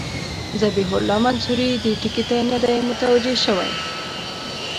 ذبیح الله منصوري دې ټکي ته نه دی متوجه شوی.